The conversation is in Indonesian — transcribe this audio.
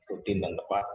rutin dan tepat